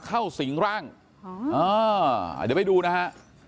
เข้าสิงห์รังเดี๋ยวไปดูนะฮะ